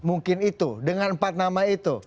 mungkin itu dengan empat nama itu